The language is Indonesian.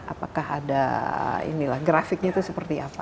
apakah ada inilah grafiknya itu seperti apa